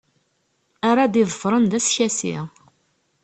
Ara d-iḍefren d askasi.